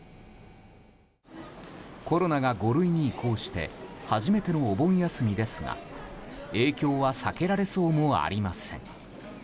コロナが５類に移行して初めてのお盆休みですが影響は避けられそうもありません。